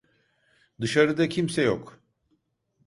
Dışarıda kimse yok.